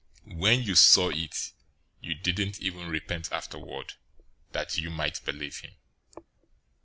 When you saw it, you didn't even repent afterward, that you might believe him.